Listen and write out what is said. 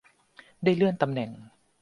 ได้เลื่อนตำแหน่ง